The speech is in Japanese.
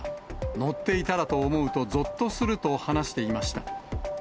乗っていたらと思うとぞっとすると話していました。